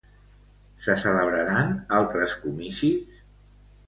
Se celebraran altres comicis?